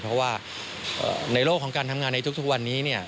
เพราะว่าในโลกของการทำงานในทุกวันนี้เนี่ย